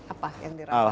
apa yang lebih baik